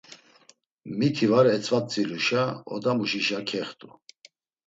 Miti var etzvatziluşa, odamuşişa kext̆u.